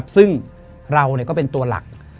ซึ่งเราก็เป็นตัวหลัก